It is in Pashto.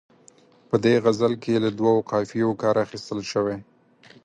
په دې غزل کې له دوو قافیو کار اخیستل شوی.